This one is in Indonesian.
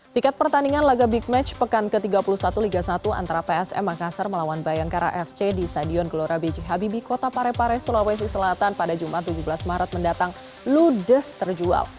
tiket pertandingan laga big match pekan ke tiga puluh satu liga satu antara psm makassar melawan bayangkara fc di stadion gelora b j habibie kota parepare sulawesi selatan pada jumat tujuh belas maret mendatang ludes terjual